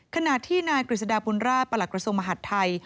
ขณะที่นายกฤษฎาบุญราชประหลักกระทรวงมหาดไทย